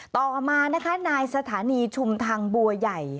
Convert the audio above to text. ต่อมานะคะนายสถานีชุมทางบัวใหญ่